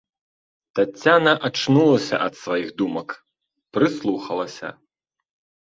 Таццяна ачнулася ад сваіх думак, прыслухалася.